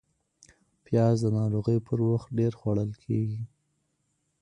پیاز د ناروغۍ پر وخت ډېر خوړل کېږي